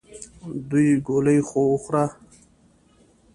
دوې ګولې خو وخوره !